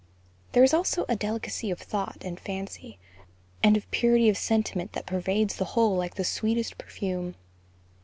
There is also a delicacy of thought and fancy, and of purity of sentiment that pervades the whole like the sweetest perfume.